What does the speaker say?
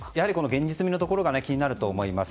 現実味のところが気になると思います。